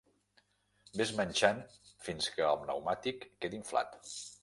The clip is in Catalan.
Ves manxant fins que el pneumàtic quedi inflat.